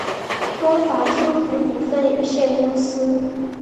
东华书局股份有限公司